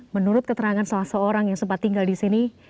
menurut keterangan salah seorang yang sempat tinggal di sini